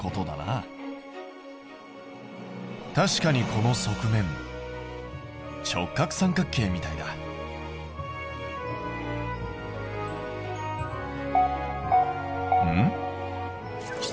確かにこの側面直角三角形みたいだ。んっ？